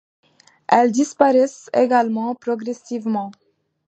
Elles disparaissent également progressivement.